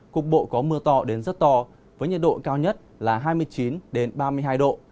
cục bộ có mưa to đến rất to với nhiệt độ cao nhất là hai mươi chín ba mươi hai độ